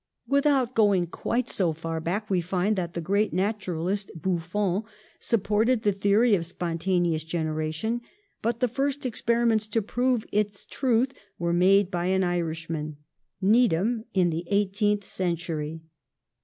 Without going quite so far back, we find that the great naturalist, Buff on, supported the theory of spontaneous generation; but the first experiments to prove its truth were made by an Irishman, Needham, in the eighteenth century.